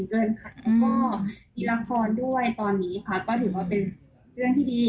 เกินค่ะก็มีละครด้วยตอนนี้ค่ะก็ถือว่าเป็นเรื่องที่ดี